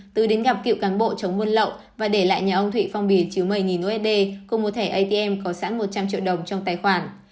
từ đến gặp cựu cán bộ chống buôn lậu và để lại nhà ông thụy phong bì chứa một mươi usd cùng mua thẻ atm có sẵn một trăm linh triệu đồng trong tài khoản